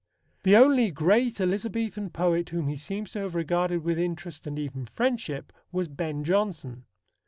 The only great Elizabethan poet whom he seems to have regarded with interest and even friendship was Ben Jonson.